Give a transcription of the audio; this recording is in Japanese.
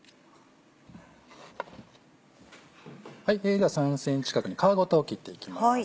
では３ｃｍ角に皮ごと切っていきます。